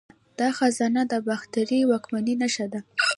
دا خزانه د باختري واکمنۍ نښه ده